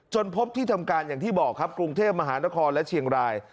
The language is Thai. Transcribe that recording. พบที่ทำการอย่างที่บอกครับกรุงเทพมหานครและเชียงราย